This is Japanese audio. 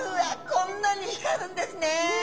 こんなに光るんですね。